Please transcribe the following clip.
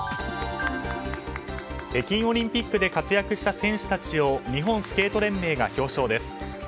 北京オリンピックで活躍した選手たちを日本スケート連盟が表彰です。